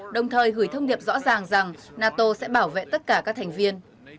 đồng thời gửi thông điệp rõ ràng rằng nato sẽ bảo vệ tất cả các thành viên